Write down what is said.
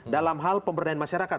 dalam hal pemberdayaan masyarakat